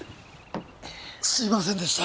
すいませんでした。